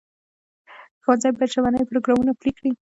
ښوونځي باید ژبني پروګرامونه پلي کړي.